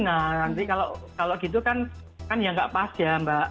nah nanti kalau gitu kan kan ya nggak pas ya mbak